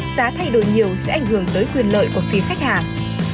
giá thay đổi nhiều sẽ ảnh hưởng tới quyền lợi của phí khách hàng